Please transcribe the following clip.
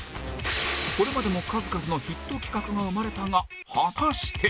これまでも数々のヒット企画が生まれたが果たして